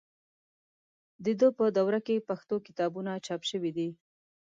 د ده په دوره کې پښتو کتابونه چاپ شوي دي.